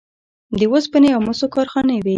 د وسپنې او مسو کارخانې وې